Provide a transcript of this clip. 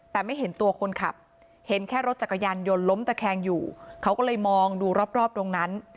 แต่ไม่เห็นตัวคนขับเห็นแค่รถจักรยานยนต์ล้มตะแคงอยู่เขาก็เลยมองดูรอบตรงนั้น